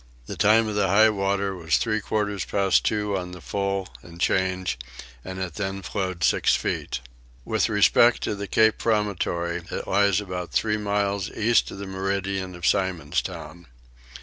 The time of high water was three quarters past two on the full and change and it then flowed six feet. With respect to the Cape Promontory it lies about three miles east of the meridian of Simon's Town.